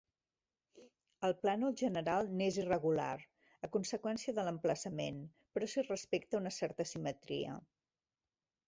El plànol general n'és irregular, a conseqüència de l'emplaçament, però s'hi respecta una certa simetria.